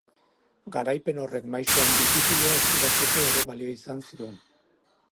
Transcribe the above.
Garaipen horrek Maisu Handi titulua eskuratzeko ere balio izan zion.